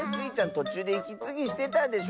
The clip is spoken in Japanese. とちゅうでいきつぎしてたでしょ。